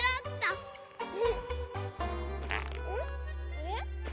あれ？